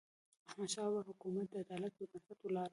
د احمدشاه بابا حکومت د عدالت پر بنسټ ولاړ و.